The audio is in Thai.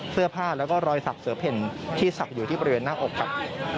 เสื้อผ้าแล้วก็รอยสักเสือเพ่นที่ศักดิ์อยู่ที่บริเวณหน้าอกครับ